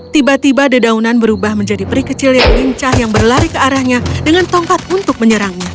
tiba tiba dedaunan berubah menjadi peri kecil yang lincah yang berlari ke arahnya dengan tongkat untuk menyerangnya